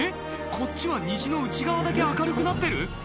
こっちは虹の内側だけ明るくなってる？